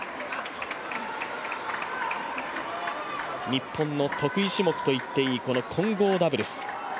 日本の得意種目といっていい混合ダブルス。